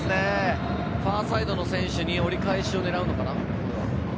ファーサイドの選手に折り返しを狙うのかな？